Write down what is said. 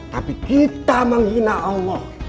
tapi kita menghina allah